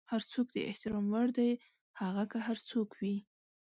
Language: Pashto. هر څوک د احترام وړ دی، هغه که هر څوک وي.